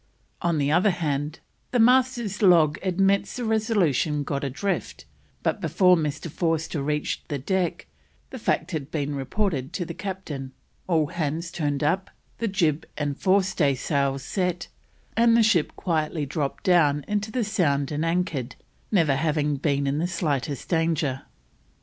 On the other hand, the Master's log admits the Resolution got adrift, but before Mr. Forster reached the deck the fact had been reported to the Captain, all hands turned up, the jib and forestay sail set, and the ship quietly dropped down into the Sound and anchored, never having been in the slightest danger.